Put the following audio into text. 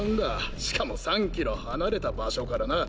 しかも３キロ離れた場所からな！